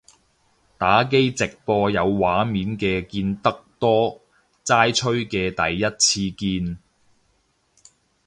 打機直播有畫面嘅見得多，齋吹嘅第一次見